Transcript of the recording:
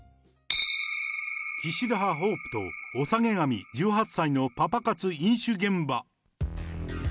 岸田派ホープとおさげ髪１８歳のパパ活飲酒現場。